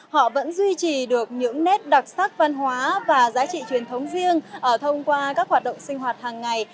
họ vẫn duy trì được những nét đặc sắc văn hóa và giá trị truyền thống riêng thông qua các hoạt động sinh hoạt hàng ngày